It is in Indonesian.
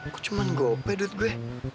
kok cuma nggak ope duit gue